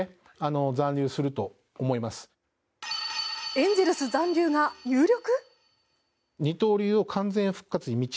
エンゼルス残留が有力。